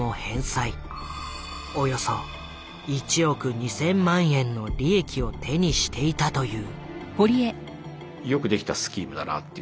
およそ１億２，０００万円の利益を手にしていたという。